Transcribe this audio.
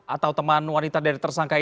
atau teman wanita dari tersangka ini